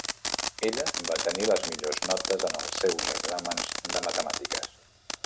Ella va tenir les millors notes en els seus exàmens de matemàtiques.